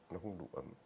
nó không đủ ấm